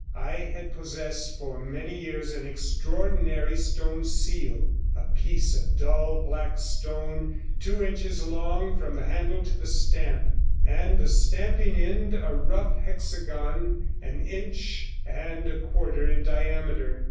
I had possessed for many years an extraordinary stone seal — a piece of dull black stone, two inches long from the handle to the stamp, and the stamping end a rough hexagon an inch and a quarter in diameter.